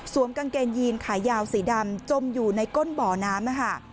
กางเกงยีนขายาวสีดำจมอยู่ในก้นบ่อน้ำ